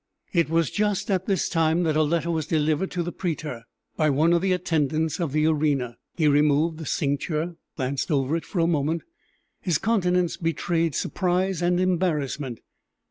It was just at this time that a letter was delivered to the prætor by one of the attendants of the arena; he removed the cincture glanced over it for a moment his countenance betrayed surprise and embarrassment.